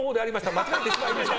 間違えてしまいました。